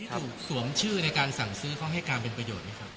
ถูกสวมชื่อในการสั่งซื้อเขาให้การเป็นประโยชน์ไหมครับ